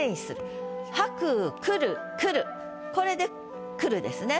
これで「来る」ですね。